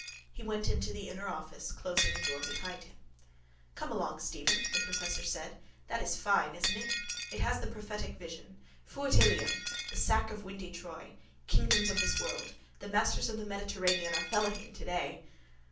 He went into the inner office, closing the door behind him. —Come along, Stephen, the professor said. That is fine, isn't it? It has the prophetic vision. Fuit Ilium! The sack of windy Troy. Kingdoms of this world. The masters of the Mediterranean are fellaheen today.